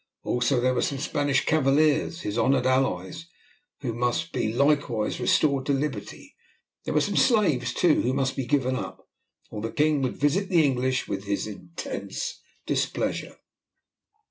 Also, there were some Spanish cavaliers, his honoured allies, who must be likewise restored to liberty: there were some slaves too, who must be given up, or the king would visit the English with his intense displeasure.